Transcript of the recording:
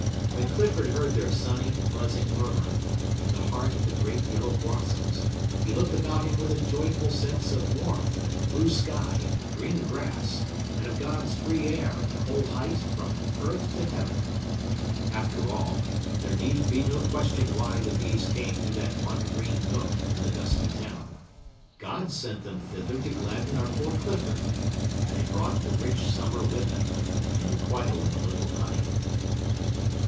When Clifford heard their sunny, buzzing murmur, in the heart of the great yellow blossoms, he looked about him with a joyful sense of warmth, and blue sky, and green grass, and of God's free air in the whole height from earth to heaven. After all, there need be no question why the bees came to that one green nook in the dusty town. God sent them thither to gladden our poor Clifford. They brought the rich summer with them, in requital of a little honey.